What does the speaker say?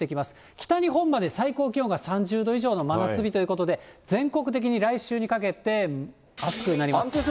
北日本まで最高気温が３０度以上の真夏日ということで、全国的に来週にかけて暑くなります。